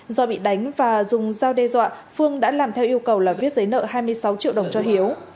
do bị đánh và dùng dao đe dọa phương đã làm theo yêu cầu là viết giấy nợ hai mươi sáu triệu đồng cho hiếu